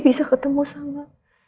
bisa ketemu sama